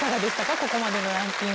ここまでのランキング。